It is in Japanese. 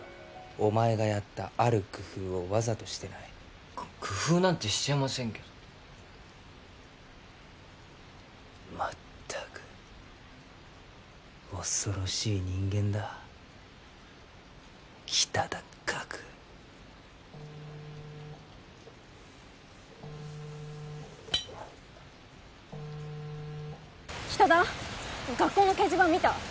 お前がやったある工夫をわざとしてないく工夫なんてしてませんけど全く恐ろしい人間だ北田岳北田学校の掲示板見た？